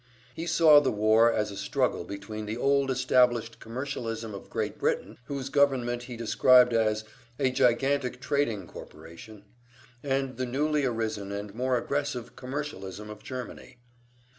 He saw the war as a struggle between the old established commercialism of Great Britain, whose government he described as "a gigantic trading corporation," and the newly arisen and more aggressive commercialism of Germany.